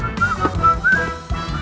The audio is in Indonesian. tidak ada lewat saya